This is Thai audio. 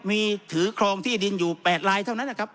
มีถือครองที่ดินอยู่๘ลายเท่านั้นนะครับ